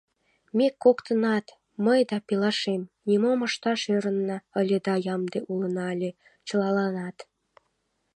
Ме коктынат, мый да пелашем, нимом ышташ ӧрынна ыле да ямде улына ыле... чылаланат.